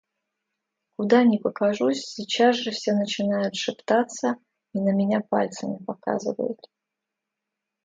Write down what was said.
Куда не покажусь, сейчас же все начинают шептаться и на меня пальцами показывают.